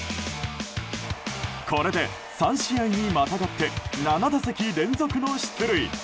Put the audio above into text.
これで３試合にまたがって７打席連続の出塁。